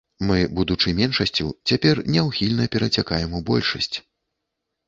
Мы, будучы меншасцю цяпер, няўхільна перацякаем у большасць.